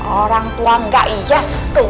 orang tua gak ijas tuh